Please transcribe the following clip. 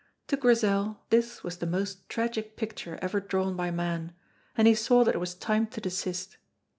To Grizel this was the most tragic picture ever drawn by man, and he saw that it was time to desist.